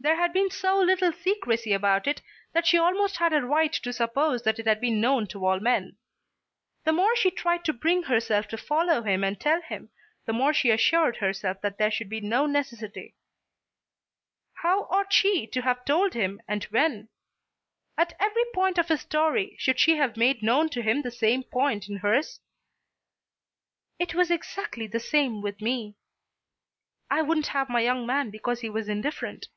There had been so little secrecy about it that she almost had a right to suppose that it had been known to all men. The more she tried to bring herself to follow him and tell him, the more she assured herself that there should be no necessity. How ought she to have told him, and when? At every point of his story should she have made known to him the same point in hers? "It was exactly the same with me." "I wouldn't have my young man because he was indifferent."